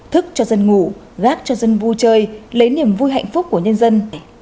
thức cho dân ngủ gác cho dân vui chơi lấy niềm vui hạnh phúc của nhân dân